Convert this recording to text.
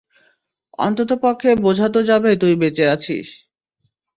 অন্ততপক্ষে বোঝা তো যাবে তুই বেঁচে আছিস।